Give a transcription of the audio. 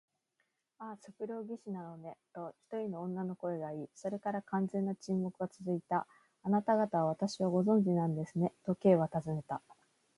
「ああ、測量技師なのね」と、一人の女の声がいい、それから完全な沈黙がつづいた。「あなたがたは私をご存じなんですね？」と、Ｋ はたずねた。